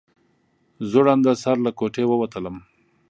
زوړنده سر له کوټې ووتلم.